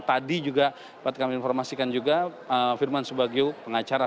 tadi juga buat kami informasikan juga firman subagyong pengacara